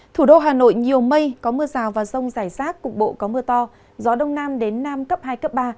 thủ đô hà nội nhiều mây có mưa rào và rông rải rác cục bộ có mưa to gió đông nam đến nam cấp hai cấp ba